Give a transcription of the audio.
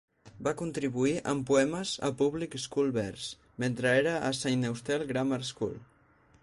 Va contribuir amb poemes a "Public School Verse", mentre era a Saint Austell Grammar School.